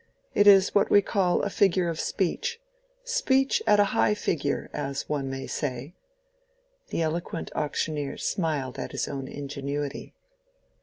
It is what we call a figure of speech—speech at a high figure, as one may say." The eloquent auctioneer smiled at his own ingenuity.